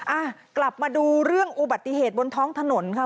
อ่ะกลับมาดูเรื่องอุบัติเหตุบนท้องถนนค่ะ